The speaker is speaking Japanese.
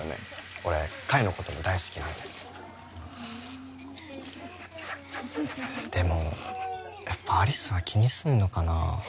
俺海のことも大好きなんででもやっぱ有栖は気にすんのかなあ